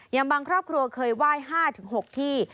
อย่างบางครอบครัวเคยไหว้๕๖ที่